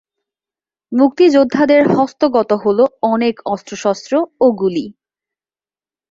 মুক্তিযোদ্ধাদের হস্তগত হলো অনেক অস্ত্রশস্ত্র ও গুলি।